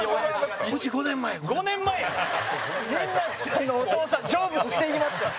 兼近：陣内さんのお父さん成仏していきました。